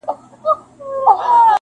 • لا معیار د سړیتوب مال و دولت دی,